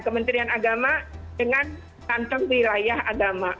kementerian agama dengan kantong wilayah agama